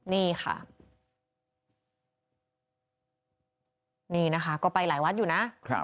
นี่ค่ะนี่นะคะก็ไปหลายวัดอยู่นะ